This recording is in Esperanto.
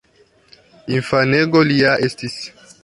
Infanego li ja estis.